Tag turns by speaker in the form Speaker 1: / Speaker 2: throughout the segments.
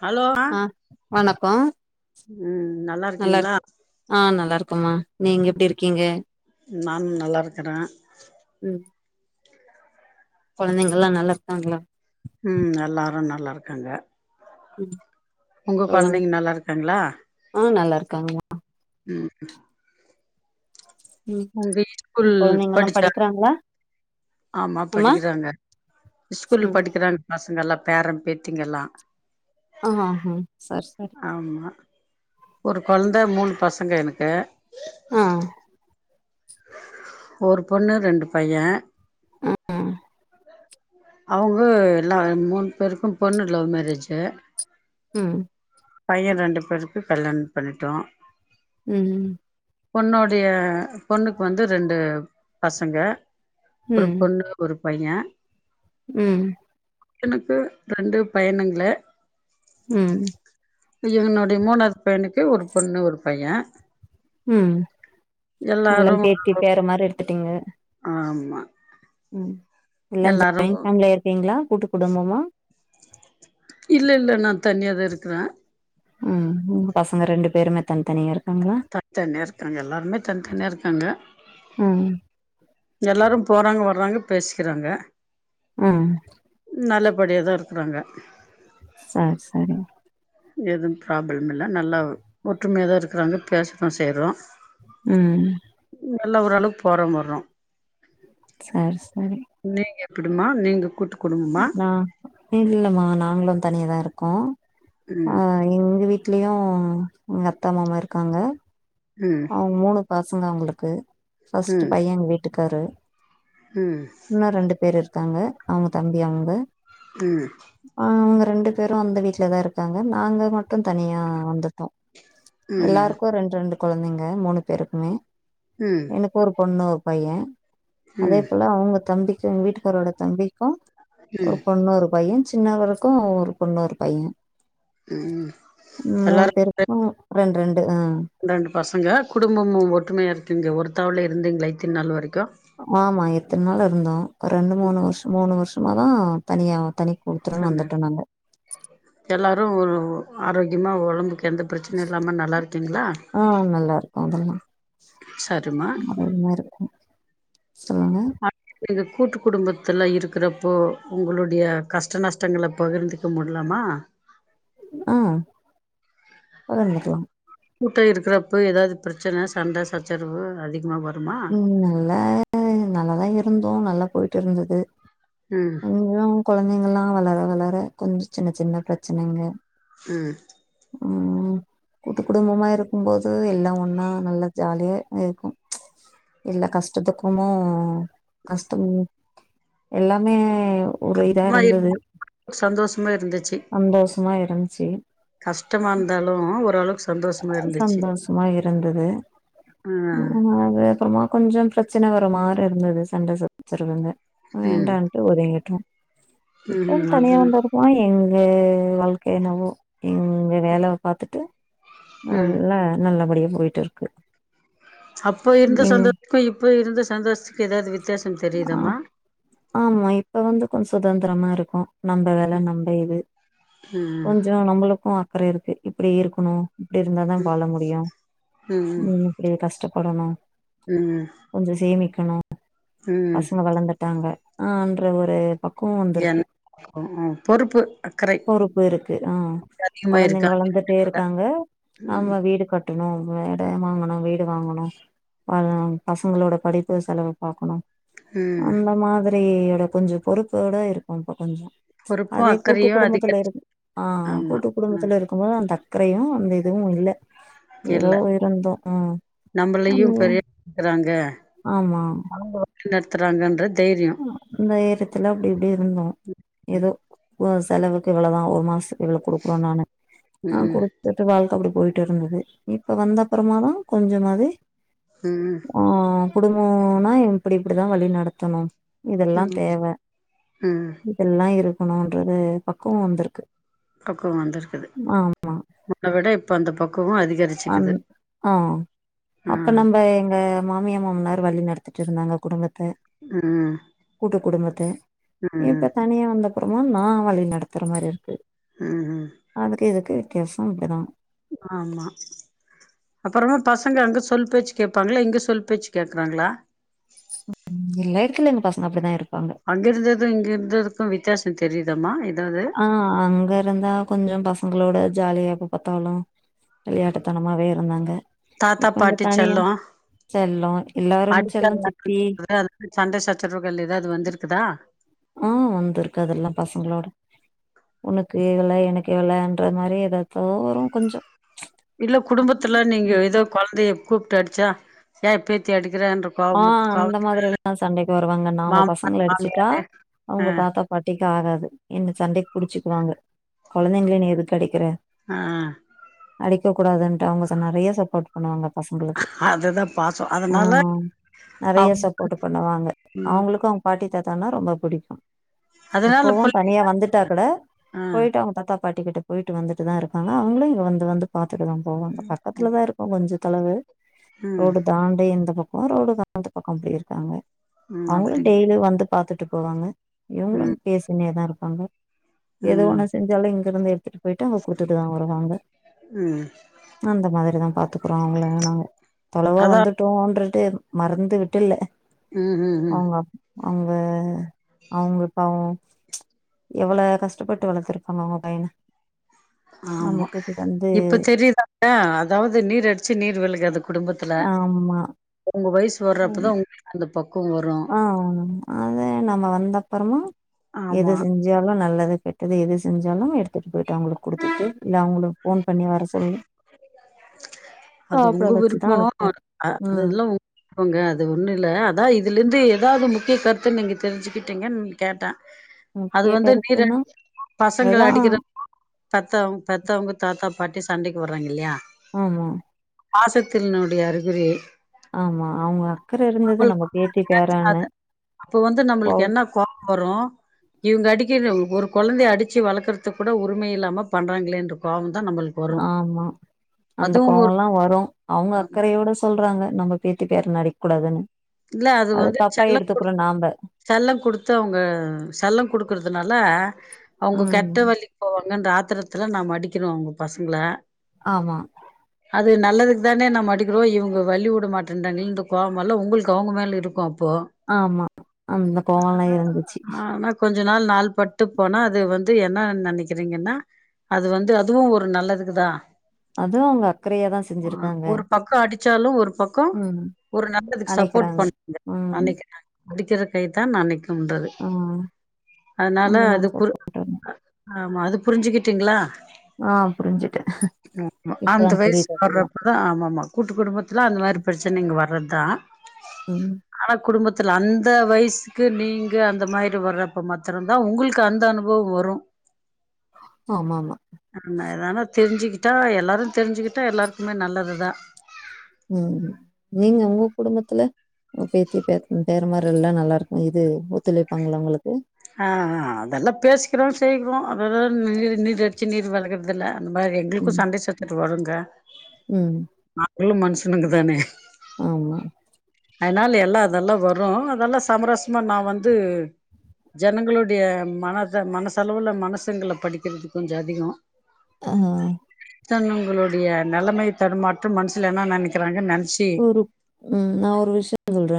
Speaker 1: Hello
Speaker 2: ஆ வணக்கோ
Speaker 1: உம் நல்லா இருக்கீங்ளா
Speaker 2: அமா நீங்க எப்டி இருக்கீங்க
Speaker 1: நானு நல்லா இருக்குறே
Speaker 2: கொழந்தைங்கலா நல்லா இருக்காங்ளா
Speaker 1: உம் எல்லாரு நல்லா இருக்காங்க
Speaker 2: உம்
Speaker 1: உங்க கொழந்தைங்க நல்லா இருக்காங்ளா
Speaker 2: ஆ நல்லா இருக்காங்கமா
Speaker 1: உம்
Speaker 2: ம்
Speaker 1: உங்க ஸ்கூல்
Speaker 2: கொழந்தைங்கல்லா
Speaker 1: படிச்சா
Speaker 2: படிக்கிறாங்களா
Speaker 1: ஆமா
Speaker 2: அம்மா
Speaker 1: படிக்குறாங்க ஸ்கூல்
Speaker 2: ம்
Speaker 1: படிக்குறாங்க பசங் அங்கெல்லா பேரே பேத்திங்கெல்லா
Speaker 2: ஆ ஆ சரி சரி
Speaker 1: ஆமா ஒரு கொழந்த மூனு பசங்க எனக்கு
Speaker 2: ஆ
Speaker 1: ஒரு பொண்ணு ரெண்டு பைய
Speaker 2: ஆஹ் ஆ
Speaker 1: அவுங்க எல்லா மூனு பேருக்கு பொண்ணு லவ் மேரேஜு
Speaker 2: உம்
Speaker 1: பைய ரெண்டு பேருக்கு கல்யாணம் பண்ணிட்டோ
Speaker 2: உம் ம்
Speaker 1: பொண்ணோடைய பொண்ணுக்கு வந்து ரெண்டு பசங்க ஒரு பொண்ணு ஒரு பைய
Speaker 2: உம்
Speaker 1: எனக்கு ரெண்டு பையனுங்களே
Speaker 2: உம்
Speaker 1: என்னுடைய மூனாவது பையனுக்கு ஒரு பொண்ணு ஒரு பைய
Speaker 2: உம் எல்லாம் பேத்தி பேர மாரி எடு த்துட்டீங்க
Speaker 1: ஆமா
Speaker 2: ம் எல்லா
Speaker 1: எல்லாரும்
Speaker 2: ஜாயின் ஃபேமிலியா இருக்கீங்களா கூட்டு குடும்பமா
Speaker 1: தனியாதா இருக்குற
Speaker 2: ம் உங்க பசங்க ரெண்டு பேருமே தனி தனியா இருக்
Speaker 1: தனித்தனியா இருக்காங்க எல்லாருமே தனித்தனியா இருக்காங்க
Speaker 2: ம்
Speaker 1: எல்லாரு போறாங்க வர்றாங்க பேசிக்கிறாங்க
Speaker 2: ம்
Speaker 1: நல்லபடியாதா இருக்குறாங்க
Speaker 2: சார் சாரி
Speaker 1: எதும் பிராபுளம் இல்ல நல்லா ஒற்றுமையாதா இருக்குறாங்க பேசதா செய்றோ
Speaker 2: ம்
Speaker 1: எல்லா ஓரளவுக்கு போறோ வர்றோ
Speaker 2: சேர் சேரி
Speaker 1: நீங்க எப்டிமா நீங்க கூட்டு குடும்பமா
Speaker 2: நா இல்லம்மா நாங்களும் தனியாதா இருக்கோ ஆ
Speaker 1: ம்
Speaker 2: எங்க வீட் ட்லியு எங்க அத்த மாமா இருக்காங்க
Speaker 1: ம்
Speaker 2: அவ மூணு பஸ் ங்க அவுங்களுக்கு ஃபஸ்ட்டு
Speaker 1: ம்
Speaker 2: பைய எங்க வீட்டுக் க்காரு
Speaker 1: ம்
Speaker 2: இன்னு ரெண்டு பேர் இருக் காங்க அவுங்க தம்பி அங்க
Speaker 1: ம்
Speaker 2: அவுங்க ரெண்டு பேரு அந்த வீட்லதா இருக்காங்க நாங்க மட்டும் தனியா வந்துட்டோ
Speaker 1: ம்
Speaker 2: எல்லாருக்கு ரெண் ரெண்டு கொழந்தைங்க மூணு பேருக்குமே
Speaker 1: ம்
Speaker 2: எனக்கு ஒரு பொண்ணு ஒரு பைய அதே
Speaker 1: ம்
Speaker 2: போல அவுங்க தம்பிக்கு எங்க வீட்டுக்காரோட தம்பி க்கு ஒரு பொண்ணு ஒரு பையஞ்சு சின்னவருக்கு ஒரு பொண்ணு ஒரு பைய
Speaker 1: ம்
Speaker 2: ம் மூனு
Speaker 1: எல்லாரு
Speaker 2: பேருக்குமே ரெண் ரெண்டு ஆ
Speaker 1: ரெண்டு பசங்க குடும்பமும் ஒற்றுமையா இருக்கீங்க ஒருத்தாவ்லே இருந்தீங்க இத்தின் நாள் வரைக்கும்
Speaker 2: ஆமா எத்தின் நாள் இருந்தோ ரெண்டு மூனு வருஷோ மூனு வருஷ் நம்மதா தனியாவு தனி குடுத்தனம்
Speaker 1: தின்ன
Speaker 2: வந்துட்டோம் நாங்க.
Speaker 1: எல்லாரும் ஒரு ஆரோக்கியமா ஒடம்பு எந்த பிரச்சனையு இல்லாம நல்லாருக்கீங்ளா
Speaker 2: மொத இருந்தே இருக்கும் சொல்லுங்க
Speaker 1: நீங்க கூட்டு குடும்பத்துல இருக்கிறப்போ உங்களுடைய கஷ்ட நஷ்டங்கள பகிர்ந்துக்க முட்லாமா
Speaker 2: ஆ பகிர்ந்துக்லாம்
Speaker 1: கூட்ட இருக்றப்ப ஏதாது பிரச்சன சண்ட சச்சரவு அதிகமா‌ வ
Speaker 2: ம் நல்ல நல்லாதா இருப் ருந்தோ நல்லா போய்ட்டு இருந்தது
Speaker 1: ம்
Speaker 2: நீங்ளு குழந்தைங்கலாம் வளர வளர கொஞ் சின்ன சின்ன பிரச்சனைங்க
Speaker 1: ம்
Speaker 2: ம் கூட்டு குடும்பமா இருக்கும்போது எல்லா ஒன்னா நல்ல ஜாலியா இருக்கும் எல்லா கஷ்டத்துக்குமோ கஷ்டம் எல்லம்மே
Speaker 1: கட்மா இருந்தாலும் சந்தோஷமா இருந்துச்சு
Speaker 2: நம்ச்சி
Speaker 1: கஷ்டமா இருந்தாலு ஓரளவுக்கு சந்தோஷமா
Speaker 2: ஆ
Speaker 1: இருந்துச்சு
Speaker 2: சந்தோஷமா இருந்துது
Speaker 1: ஆ
Speaker 2: ம் [unintelligible] கொஞ்சோ பிரச் பிரச்சின வர மாரி இருந்தது சண்ட சச்சறவுங்க
Speaker 1: ம்
Speaker 2: வேண்டான்ட்டு ஒதுங்கிட்டோ இப்பன்
Speaker 1: ம்
Speaker 2: தனியா
Speaker 1: அது
Speaker 2: வந்து இருக்கோமா எங் ஏ வாழ்க்கை என்னவோ இங் கு வேல பாத்துட்டு
Speaker 1: ம்
Speaker 2: அதுல நல்லபடியும் போயிட்டு இருக்கு
Speaker 1: அப்ப இருந்த
Speaker 2: எங்
Speaker 1: சொந்தத்துக்கு இப்ப இருந்தஸ் சந்தோஷத்துக்கு எதாவது வித் வித்தியாசோ
Speaker 2: ஆ
Speaker 1: தெரியுதாமா
Speaker 2: ஆமா இப்ப வந்து கொஞ்சோ சுதந்துரமா இருக்கோ நம்ப வேல நம்ப இது
Speaker 1: ம்
Speaker 2: கொஞ்சோ நம்மளுக்கு அக்கற இருக்கு இப்புடி இருக்கணு இப்புடி இருந்தாதா வாழ முடியு ம் இப்புடி கஷ்டப் படணு
Speaker 1: ம்
Speaker 2: கொஞ்சோ சேமிக் கனு
Speaker 1: ம்
Speaker 2: பசங்க வளந்த டாங்க ஆன்ற ஒரு பக் குவோ வந்துருக்கு
Speaker 1: என் பொறுப்பு அக்கறை
Speaker 2: பொறுப்பு இருக்கு அ கொழந்தைங்க வளந்துட்டே இருக்காங்க நாம வீடு கட் கட்டணும் எடம் வாங்கணு வீடு வாங்கணு பசங்களோட படிப்பு செலவு பாக்கணு
Speaker 1: ம்
Speaker 2: அந்த மாதர் ரியோட கொஞ்சோ பொறுப்போட இருக்கோம் இப்ப கொஞ்சோ
Speaker 1: பொறுப்பு
Speaker 2: அதே கூட்டு
Speaker 1: அக்கறையு
Speaker 2: குடும்பத்துல
Speaker 1: அதிகரிச்சு
Speaker 2: இருந் ஆ
Speaker 1: ஆமா
Speaker 2: கூட்டு
Speaker 1: ம்
Speaker 2: குடும்பத்துல இருக்கும்போது அந்தக் அக்கறையு அந்த இதுவு இல்ல எதோ
Speaker 1: இல்ல
Speaker 2: இருந்தோ ம்
Speaker 1: நம்மளையு
Speaker 2: ம்
Speaker 1: பெரிய க்குறாங்க
Speaker 2: ஆமா
Speaker 1: அவங்க வழி நடத்துறாங்கன்ற தைரியோ
Speaker 2: அ இந்த எடத்துல அப்டி இப்டி இருந்தோ எதோ செலவுக்கு இவ்ளோதா ஒரு மாசத் இவ்ளோ குடுக்குறோ நானு
Speaker 1: ம்
Speaker 2: ஆ
Speaker 1: ம்
Speaker 2: குடுத்துட்டு வாழ்க்க அப்புடி போயிட்டு இருந்தது இப்ப வந்த அப்புறமாதா கொஞ்சமாது
Speaker 1: ம்
Speaker 2: குடும்போன்னா இப்டி இப்டிதா வழி நடத்தணு இதெல்லா
Speaker 1: ம்
Speaker 2: தேவ
Speaker 1: ம்
Speaker 2: இதெல்லா இருக் இருக்கணுன்றது பக்குவோ வந்துருக்கு
Speaker 1: பக்குவம் வந்துருக்குது முன்ன விட இப்ப அந்த பக்
Speaker 2: அன் ஆஹ
Speaker 1: ஆ
Speaker 2: அப்ப நம்ப எங்க மாமியா மாமனார் வழி நடத்திட்டு இருந்தாங்க குடும்பத்த து
Speaker 1: ம்
Speaker 2: கூட்டு குடும்ப த
Speaker 1: ம்
Speaker 2: இப்ப தனியா வந்த அப்புறமா நான் வழி நடத்துற மாரி இருக்கு
Speaker 1: ம்
Speaker 2: அதுக்கு எதுக்கு எசும் அப்டி தான்
Speaker 1: அப்புறமா பசங்க அங்க சொல் பேச் கேப்பாங்களா இங்க சொல் பேச் கேக்குறாங்களா
Speaker 2: எல்லா எடத்துலயும் எங்க பசங்க அப்டிதான் இருக்
Speaker 1: அங்க இருந்ததும் இங்க இருந்ததுக்கும் வி வித்தியாசம் தெரியுதமா
Speaker 2: ஆஹ அங்க இருந்தா கொஞ்சம் பசங்களோட ஜாலியா எப்ப பாத்தாலும் விளையாட்டுத்தனமாவே இருந்தாங்க
Speaker 1: தாத்தா
Speaker 2: இப்ப இங்க
Speaker 1: பாட்டி
Speaker 2: தனியா
Speaker 1: செல்லம்
Speaker 2: செல்லம் எல்லாரும்
Speaker 1: அடிக்கல
Speaker 2: செல்லம்
Speaker 1: அப்டி
Speaker 2: சித்தி
Speaker 1: எதா சண்டை சச்சரவுகள் ஏதாவது வந்திருக்குதா
Speaker 2: ஆஹ வந்திருக்கு அதெல்லாம் பசங்களோட உனக்கு எவ்ள எனக்கு எவ்ளன்ற மாரி ஏதா தோரும் கொஞ்சம்
Speaker 1: இல்ல குடும்பத்துல நீங்க ஏதோ கொழந்தைய கூப்ட்டு அடிச்சா ஏன் பேத்தி அடிக்
Speaker 2: ஆஹ அந்த மாதிரிலாம் சண்டைக்கு வருவாங்க நாம
Speaker 1: மாமனார்
Speaker 2: பசங்கள அடிச்சுட்டா
Speaker 1: மாமியாரு ஆ
Speaker 2: அவுங்க தாத்தா பாட்டி ஆகாது என்ன சண்டைக்கு புடிச்சுக்குவாங்க குழந்தைங்கள நீ எதுக்கு அடிக்கிற
Speaker 1: ஆஹ
Speaker 2: அடிக்ககூடாதுன்டு அவுங்க நிறைய சப்போர்ட் பண்ணுவாங்க பசங்களுக்கு.
Speaker 1: அதுதான் பாசம்
Speaker 2: ஆ
Speaker 1: அதனால
Speaker 2: நெறைய
Speaker 1: அவங்க
Speaker 2: சப்போர்ட் பண்ணுவாங்க
Speaker 1: ம்
Speaker 2: அவுங்களுக்கும் அவுங்க பாட்டி பட் ஆனா ரொம்ப பிடிக்கும்
Speaker 1: அதனால
Speaker 2: இப்பவும் தனியா
Speaker 1: புள்ளைங்க
Speaker 2: வந்துட்டா கூட
Speaker 1: ஆ
Speaker 2: போயிட்டு அவுங்க தாத்தா பாட்டிகிட்ட போயிட்டு வந்துட்டுதான் இருக்குங்க அவுங்களும் இங்க வந்து வந்து பாத் துடுதான் போவோம் பக்கத்துல தான் இருக்கும் கொஞ்சம் தளவு
Speaker 1: ம்
Speaker 2: ரோடு தாண்டி இந்த பக் போ ரோடுக்கு அந்த பக்கம் அப்படி இருக்காங்க
Speaker 1: ம்
Speaker 2: அவுங்களும்
Speaker 1: அப்டிங்
Speaker 2: டெய்லி வந்து பாத்துட்டு போவாங்க இவங்களும்
Speaker 1: ம்
Speaker 2: பேசினுதான் இருப்பாங்க எது
Speaker 1: ம்
Speaker 2: ஒண்ணு செஞ்சாலு இங் அது நம்ம எடுத்துட்டு போயிட்டு அவுங்க கொடுத்துட்டுதா வருவாங்க
Speaker 1: ம்
Speaker 2: அந்த மாதிரிதா பாத்துக்குறோ அவுங்கள நாங்க தொலவா
Speaker 1: அதா
Speaker 2: வந்துட்டோம்ன்ற [unintelligible] விட்டு மறந்து விட்டுல
Speaker 1: ம் ம் ம்
Speaker 2: அவுங்க அவுங்க பாவோ எவ்ளோ கஷ்டப்பட்டு வளர்த்துருப்பாங்க அவுங்க பைய்யன
Speaker 1: ஆமா இப்ப தெரிதா அதாவ்து நீர் அடிச்சு நீர் வெலுகாது குடும்பத்துல
Speaker 2: ஆமாம்
Speaker 1: உங்க வயசு போறப்பதா உங்ளுக் அந்த இப்போ
Speaker 2: ஆ அது நம்ம வந்தப்றமா எது
Speaker 1: ஆமா
Speaker 2: செஞ்சாலு நல்லது எட்டுது எது செஞ்சாலு எடுத் எடுத்துட்டு போயிட்டு அவுங்களுக் குடுத்துட்டு இல்ல அவுங்களுக்கு ஃபோன் பண்ணி வர சொல்லு
Speaker 1: அது உங்க
Speaker 2: வச்சுதான்
Speaker 1: விருப்போ
Speaker 2: அனுப்புவோம்.
Speaker 1: அது
Speaker 2: ம்.
Speaker 1: அதெல்லா விருப்பங்க அது ஒண்ணு இல்ல அதா இதுல இருந்து ஏதாவ்து முக்கிய கருத்து நீங்க தெரிஞ்சுக்கிட்டிங்கன்னு கேட்டா அது
Speaker 2: முக்கிய
Speaker 1: வந்து நீர்
Speaker 2: கருத்துன்னா
Speaker 1: பசங்க
Speaker 2: அதுதான்
Speaker 1: அடிக்கிற பெத்தவங் பெத்தவங்க தாத்தா பாட்டி சண்டைக்கு வர்றாங்கே இல்லயா
Speaker 2: ஆமா
Speaker 1: பாசத்தின்னுடைய அறிகுறி
Speaker 2: ஆமா. அவங்க அக்கறை இருந்தது நம்ம பேத்தி பேரான்னு
Speaker 1: அப்ப வந்து
Speaker 2: கோவ
Speaker 1: நம்மளுக்கு என்ன கோவோவரு இவுங்க அடிக் இரு ஒரு குழந்தை அடிச்சு வளக்கற்து கூட உரிமை இல்லாம பண்றாங்களே இன்ற கோவோ தா நம்மளுக்கு வரு
Speaker 2: ஆமா அந்த
Speaker 1: அதுவு ஒரு
Speaker 2: கோவம்ல்லா வரூ அவுங்க அக்கறையோட சொல்றாங்க நம்ம பேத்தி பேரன அடிக்க கூடாதுன்னு
Speaker 1: இல்ல அது வந்து செல்லோ குடுத் செல்லோ குடுத்து அவுங்க செல்லோ குடுக்குற்துனால அவுங்க
Speaker 2: ம்.
Speaker 1: கெட்ட வழி போவாங்க அங்க அந்த அத்திரத்துல நாம அடிக்கிறோ உங்க பசங்கள
Speaker 2: ஆமா
Speaker 1: அது நல்லதுக்கு தானே நம அடிக்கிறோ இவுங்க வழி உட மாட்டேன்றாங்கலே கோவாமல்லா உங்களுக் கு அவங்க மேல இருக்கு அப் போ
Speaker 2: ஆமா. அந்த கோவம்லாம் இருந்துச்சு.
Speaker 1: ஆனா கொஞ்ச நாள் நாள் பட்டு போனா அது வந் து என்னன் நெனைக்கிறீங்கன்னா அது வந்து அதுவு ஒரு நல்லதுக்குதா
Speaker 2: அதுவு அவங்க அக்கறையாதா செஞ்சுருக்காங்க
Speaker 1: சாலு ஒரு பக்கோ ஒரு நல்லதுக்கு சப் போட்
Speaker 2: அணைக்கிறாங்க.
Speaker 1: பண்ணுங்க
Speaker 2: ம்.
Speaker 1: அன்னைக்குங்ளா அடிக்குற கைதான் அனைக் ன்றது
Speaker 2: ஆ.
Speaker 1: அதனால
Speaker 2: அந்த மாரி
Speaker 1: அது குர்
Speaker 2: சப்போர்ட்
Speaker 1: ஆமா அது புருஞ்சுக்கிட்டீங்களா
Speaker 2: ஆ புரிஞ்சுட்டே
Speaker 1: ஆமா
Speaker 2: இப்பதா
Speaker 1: அந்த வயசு
Speaker 2: புரியுது அதெல்லா
Speaker 1: வர்றப்பதா ஆமா ஆமா கூட்டு குடும்பத்துல அந்த மாரி பிரச்சனைங்க வர்றது தா
Speaker 2: ம்
Speaker 1: ஆனா குடும்பத் த்துல அந்த வயசுக்கு நீங்க அந்த மாரி வறப்ப மாத்துரந்தா உங்களுக்கு அந்த அனுபவோ வரு
Speaker 2: ஆமா ஆமா
Speaker 1: ஆன இதானா தெருஞ்சுக்கிட் டா எல்லாரு தெருஞ்சுக்கிட்டா எல்லாருக்குமே நல்லது தா
Speaker 2: ம் நீங்க உங்க குடும்பத்துல பேத்தி பே பேரமாருக எல்லா நல்லா இருக்கு இது ஒத்துழைப்பாங்களா உங்களுக்கு
Speaker 1: ஆ ஆ அதெல்லா பேசிக்கிறோ செய்றோ அதத நீர் நீர் அடுச்சு நீர் வெளகுறது இல்ல இந்த மார் எங்களுக்கு
Speaker 2: ம்
Speaker 1: சண்டை சச்றவு வரும் ங்க
Speaker 2: ம்
Speaker 1: இவளு மனுஷனுங்க தானே
Speaker 2: ஆமா
Speaker 1: அதனால எல்லா அதெல்லா வரு அதெல்லா சமரசமா நா வந்து ஜனங்களுடைய மனத மனசலவுல மனசுங்கள படிக்குறது கொஞ்சோ அதிகோ
Speaker 2: ஆ
Speaker 1: த்தன்ங்களுடைய நெலமை தடுமாற்றம் மனுசுல என்ன நெனைக்கிறாங்கன் நென்
Speaker 2: ஒரு ம் நா ஒரு விஷ்யோ சொல்ற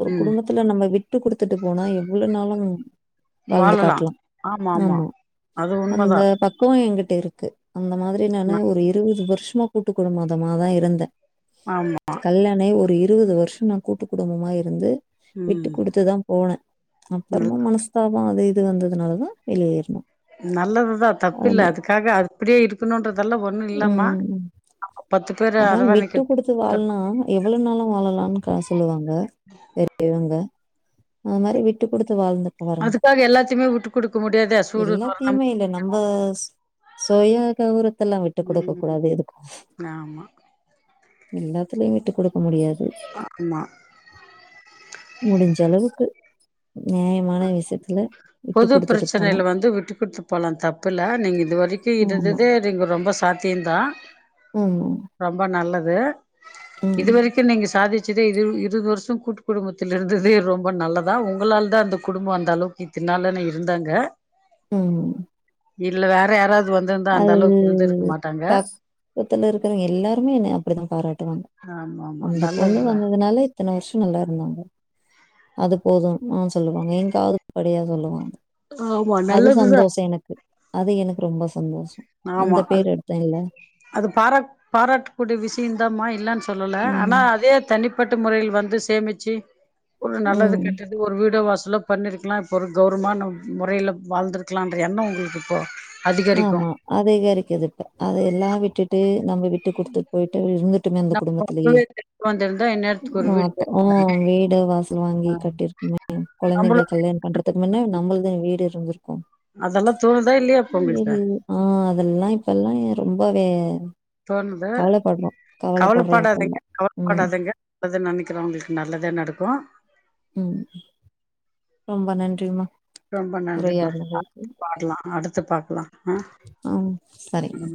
Speaker 2: ஒரு
Speaker 1: ம்
Speaker 2: குடும்பத்துல நம்ம விட்டு குடுத்துட்டு போனா எவ்ளோ நாளு ம் வாழ்ந்து
Speaker 1: வாழலா
Speaker 2: காட்லா ஆமா
Speaker 1: அது
Speaker 2: அந்த
Speaker 1: உண்மதா
Speaker 2: பக்குவோ ஏன்கிட் ட்டு இருக்கு அந்த மாதிரி
Speaker 1: ந
Speaker 2: நானு ஒரு இருவது பேர் ஷ்மா கூட்டு குடும்பதமாதா இருந்தே
Speaker 1: ஆமா
Speaker 2: கல்யாணோ ஆயி ஒரு இருவது வரு ஷமா கூட்டு குடும்பமா இருந்து விட்டு
Speaker 1: ம்
Speaker 2: குடுத்துதா போன
Speaker 1: ம்
Speaker 2: அப்புறமா மனஸ்தா போ அது இது வந்ததுனாலதா வெளியேறுனோ
Speaker 1: நல்லதுதா தப்பில்ல அதுக்காக அப்டியே இருக்கணுன்றதெல்லா ஒண்ணு இல்லம்மா பத்து பேர
Speaker 2: அதா
Speaker 1: அரவணைக்க
Speaker 2: விட்டு குடுத்து வாழலா எவ்வளவு நாளு வாழலான்னுக்கா சொல்லுவாங்க பெரியவ ங்க அது மாரி விட்டு குடுத்து வாழ்ந்துட்டு வரோங்க
Speaker 1: அதுக்காக எல்லாத்தையுமே விட்டு குடுக்க முடியாதே சூடு சொரணம்
Speaker 2: எல்லாத்தையுமே இல்ல நம்ப சுய கௌரவ த்தல்லா விட்டு குடுக்க
Speaker 1: ம்
Speaker 2: கூடாது எதுக்கு
Speaker 1: ஆமா
Speaker 2: எல்லாத்துலயு விட்டு குடு க்க முடியாது
Speaker 1: ஆமா
Speaker 2: முடிஞ்சளவுக்கு
Speaker 1: பொது
Speaker 2: குடுத்துட்டு போனா
Speaker 1: பிரச்சனைல வந்து விட்டு குடுத்து போலா தப்பில்ல நீங்க இதுவரைக்கி
Speaker 2: ஆமா.
Speaker 1: இருந்ததே நீங்க ரொம்ப சாத் தியந்தா
Speaker 2: ஆமா.
Speaker 1: ரொம்ப நல்ல து
Speaker 2: ம்.
Speaker 1: இதுவரைக்கு நீங்க சாதி ச்சதே இது இருவது வருஷோ கூட்டு குடும்பத்தில இருந்ததே ரொம்ப நல்லதுதா உங்களால்தா அந்த குடும்போ அந்த அளவுக்கு இத்தினு நாளுனா இருந்தாங்க
Speaker 2: ம்
Speaker 1: இல்ல வேற யாராவது வந்திருந்தா அந்த
Speaker 2: அது
Speaker 1: அளவுக்கு இருந்திருக்க மாட்டாங்க
Speaker 2: பக்கத்துல இருக்கறவங்க எல்லாருமே என்ன அப்பிடிதா பாராட்டுவாங்க
Speaker 1: ஆமா ஆமா
Speaker 2: அந்த பொண்ணு
Speaker 1: நல்லதுதா
Speaker 2: வந்ததுனால இத்தன வருஷோ நல்லா இருந்தாங்க அது போதும்மான்னு சொல்லுவாங்க என் காதுபடியா சொல்லுவாங்க.
Speaker 1: ஆமா
Speaker 2: அது
Speaker 1: நல்லதுதா
Speaker 2: சந்தோஷோ எனக்கு அது எனக்கு ரொம்ப சந்தோசம்
Speaker 1: ஆமா அது அது பாரா பாராட்டக்கூடிய விஷயம்தாமா இல்லனு சொ சொல்லல ஆனா
Speaker 2: ம்.
Speaker 1: அதே தனிப்பட்ட முறையில் வந்து சேமிச்ச ச்சு ஒரு நல்லது
Speaker 2: ம்.
Speaker 1: கெட்டது ஒரு வீடு வாச ல பண்ணிருக்கலாம் இப்போ ஒரு கௌரவமான முறையில் வாழ்ந்தருக்கலான்ற எண்ணம் உங்களுக்கு இப்போ அதிகரிக்கும்
Speaker 2: அதிகரிக்குது இப்ப அத எல்லாம் விட்டுட்டு நம்ம விட்டு கொடுத்துட்டு போயிட்டு இருந்துட் அந்த
Speaker 1: நம்ம
Speaker 2: குடும்பத்திலயே
Speaker 1: அப்பவே தெரிஞ்சு வந்திருந்தா இந்நேரத்துக்கு ஒரு வீடு
Speaker 2: அப்ப
Speaker 1: கட்டிருப்போ
Speaker 2: ஆனா வீடு வாசல் வாங்கி கட்டிருக்குமே
Speaker 1: நம்மளு
Speaker 2: குழந்தைங்க கல்யாணம் பண்றதுக்கு முன்ன நம்மல்தும் வீ வீடு இருந்திருக்கும்
Speaker 1: அதெல்லாம் தோணுதா இல்ல இப்
Speaker 2: ஆஹ் அதெல்லாம் இப்பல்லாம் ரொம்ப வே [inaudible]
Speaker 1: தோணுது கவலைப்படாதீங்க
Speaker 2: இப்பல்லாம் ம்
Speaker 1: கவலைபடாதீங்க நல்லது நினைக்கிறவங்களுக்கு நல்லதே நடக்கும்
Speaker 2: உம் ரொம்ப நன்றிமா
Speaker 1: ரொம்ப நன்றிமா
Speaker 2: உரையாடுனதுக்கு
Speaker 1: பாக்கலா அடுத்து பாக்கலாம்
Speaker 2: ஹம் சரிங்க